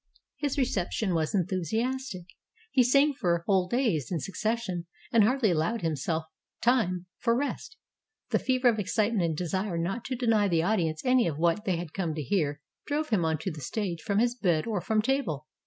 His reception was enthusiastic. He sang for whole days in succession, and hardly allowed himself time for rest. The fever of excitement and desire not to deny the audience any of what they had come to hear drove him on to the stage from his bed or from table.